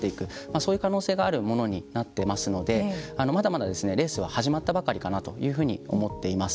そういう可能性があるものになっていますのでまだまだレースは始まったばかりかなというふうに思っています。